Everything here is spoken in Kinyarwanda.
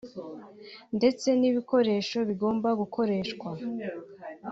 ndetse n’ibikoresho bigomba gukoreshwa